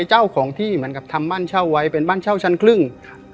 เจ้าของที่เหมือนกับทำบ้านเช่าไว้เป็นบ้านเช่าชั้นครึ่งครับ